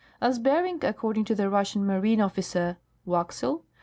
As Bering, accord ing to the Russian marine officer (Waxel ?)